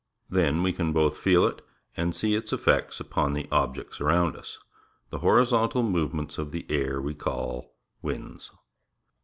Then we can both feel it and see its effects upon the objects around us. The horizontal movements of the air we call Winds.